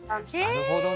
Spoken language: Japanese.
なるほどね。